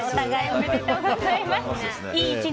ありがとうございます。